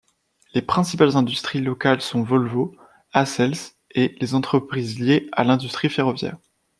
Les principales industries locales sont Volvo, Ahlsells, et les entreprises liées à l'industrie ferroviaire.